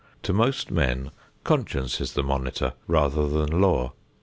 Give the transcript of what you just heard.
To most men conscience is the monitor, rather than law.